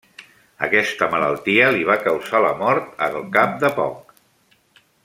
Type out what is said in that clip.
Aquesta malaltia li va causar la mort al cap de poc.